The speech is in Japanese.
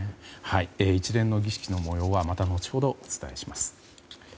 一連の儀式の模様はまた後ほど、お伝えします。